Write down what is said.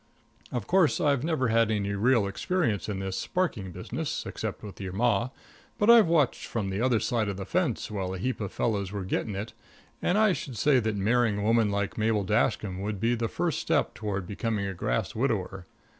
Of course I've never had any real experience in this sparking business, except with your Ma; but I've watched from the other side of the fence while a heap of fellows were getting it, and I should say that marrying a woman like Mabel Dashkam would be the first step toward becoming a grass widower.